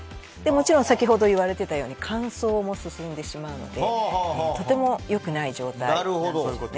もちろん先ほど言われていたように乾燥も進んでしまうのでとても良くない状態なんです。